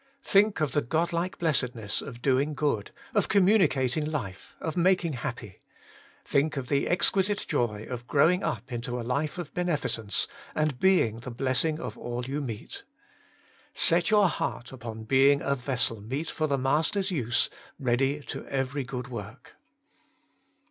Think of the Godlike blessedness of doing good, of communicating life, of making happy. Think of the exquisite joy of growing up into a life of beneficence, and being the blessing of all you meet. Set your heart upon being a vessel meet for the Master's use, ready to every good work.